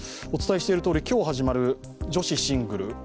お伝えしているとおり、今日始まる女子シングル。